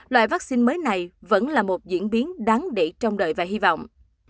loại vaccine mới này vẫn là một diễn biến đáng để trong đời và hy vọng